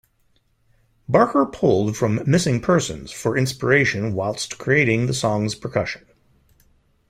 Barker pulled from Missing Persons for inspiration whilst creating the song's percussion.